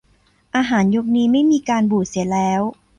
อาหารยุคนี้ไม่มีการบูดเสียแล้ว